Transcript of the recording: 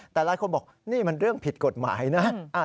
แต่หลายคนบอกนี่มันเรื่องผิดกฎหมายนะ